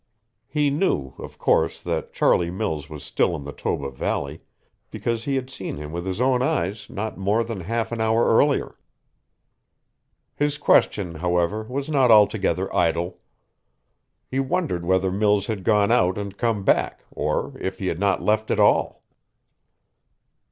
He knew, of course, that Charlie Mills was still in the Toba valley because he had seen him with his own eyes not more than half an hour earlier. His question, however, was not altogether idle. He wondered whether Mills had gone out and come back, or if he had not left at all.